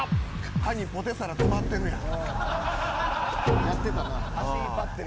歯にポテサラ詰まってるやん。